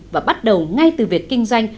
và bắt đầu ngay từ việc kinh doanh